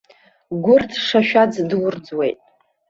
Гәырӡ-шашәаӡ дурӡуеит.